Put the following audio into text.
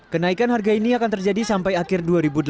kenaikan harga ini akan terjadi sampai akhir dua ribu delapan belas